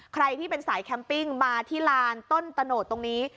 ใครที่เป็นสายแคมปิ้งมาที่ลานต้นตะโนดตรงนี้